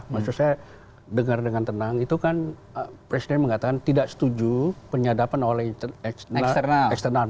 maksud saya dengar dengan tenang itu kan presiden mengatakan tidak setuju penyadapan oleh eksternal